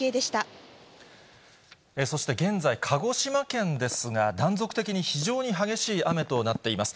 そして現在、鹿児島県ですが、断続的に非常に激しい雨となっています。